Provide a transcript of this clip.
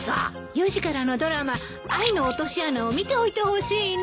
４時からのドラマ『愛の落とし穴』を見ておいてほしいの。